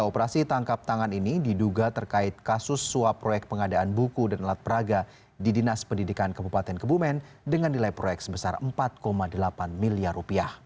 operasi tangkap tangan ini diduga terkait kasus suap proyek pengadaan buku dan alat peraga di dinas pendidikan kabupaten kebumen dengan nilai proyek sebesar rp empat delapan miliar